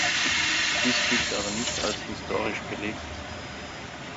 Dies gilt aber nicht als historisch belegt.